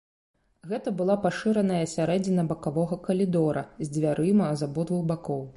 Гэта была пашыраная сярэдзіна бакавога калідора з дзвярыма з абодвух бакоў.